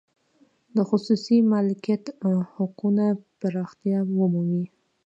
د خصوصي مالکیت حقونه پراختیا ومومي.